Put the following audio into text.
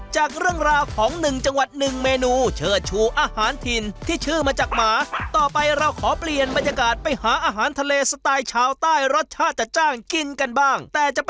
จากเรื่องราวของนึงจังหวัดนึงเมนูเชื้อชูอาหารถิ่น